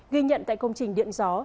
ghi nhận tại công trình điện gió